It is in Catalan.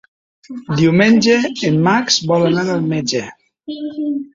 Diumenge en Max vol anar al metge.